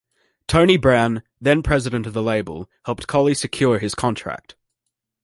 Tony Brown, then-president of the label, helped Collie secure his contract.